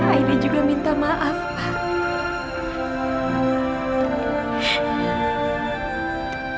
aibin juga minta maaf pak